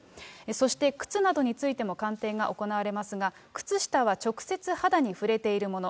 そして、靴などについても鑑定が行われますが、靴下は直接肌に触れているもの。